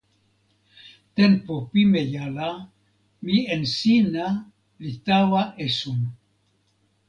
tenpo pimeja la, mi en sina li tawa esun.